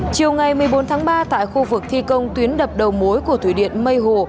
chiều ngày một mươi bốn tháng ba tại khu vực thi công tuyến đập đầu mối của thủy điện mây hồ